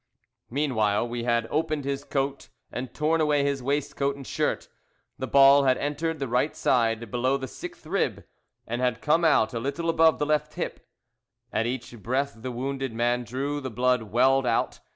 Meanwhile, we had opened his coat and torn away his waistcoat and shirt. The ball had entered the right side, below the sixth rib, and had come out a little above the left hip. At each breath the wounded man drew, the blood welled out.